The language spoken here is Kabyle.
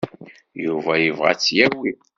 Yuba yebɣa ad tt-yawi.